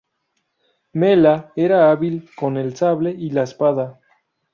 Mella era hábil con el sable y la espada.